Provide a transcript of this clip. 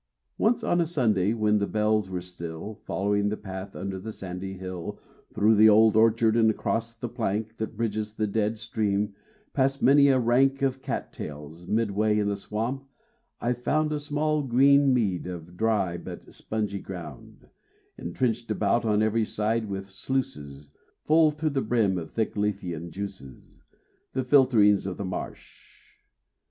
Once on a Sunday when the bells were still, Following the path under the sandy hill Through the old orchard and across the plank That bridges the dead stream, past many a rank Of cat tails, midway in the swamp I found A small green mead of dry but spongy ground, Entrenched about on every side with sluices Full to the brim of thick lethean juices, The filterings of the marsh.